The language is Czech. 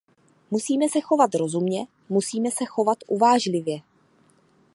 Musíme se chovat rozumně, musíme se chovat uvážlivě.